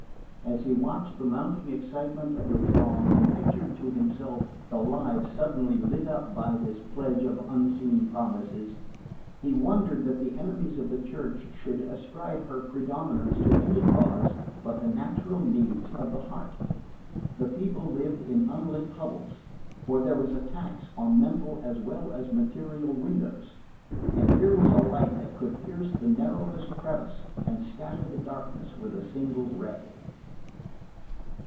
As he watched the mounting excitement of the throng, and pictured to himself the lives suddenly lit up by this pledge of unseen promises, he wondered that the enemies of the Church should ascribe her predominance to any cause but the natural needs of the heart. The people lived in unlit hovels, for there was a tax on mental as well as on material windows; but here was a light that could pierce the narrowest crevice and scatter the darkness with a single ray.